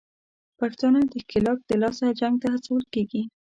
پښتانه د ښکېلاک دلاسه جنګ ته هڅول کېږي